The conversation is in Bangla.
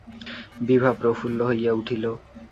বিভা প্রফুল্ল হইয়া উঠিল।